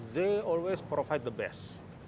mereka selalu memberikan yang terbaik